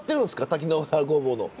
滝野川ごぼうの。